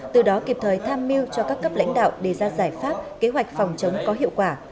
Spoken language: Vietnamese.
từ đó kịp thời tham mưu cho các cấp lãnh đạo đề ra giải pháp kế hoạch phòng chống có hiệu quả